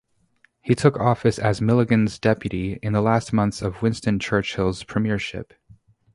He took office as Milligan's deputy in the last months of Winston Churchill's premiership.